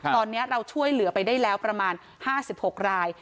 ตอนนี้เราช่วยเหลือไปได้แล้วประมาณ๕๖ราย